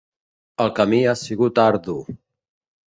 El camí ha sigut ardu.